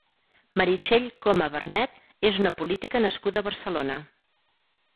Meritxell Coma Vernet és una política nascuda a Barcelona.